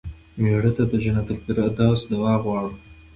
مړه ته د جنت الفردوس دعا غواړو